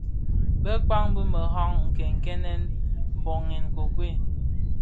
Bekpag bi meraň nkènèn kènèn mböghèn nkokuei.